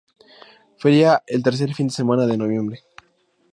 Feria el tercer fin de semana de noviembre.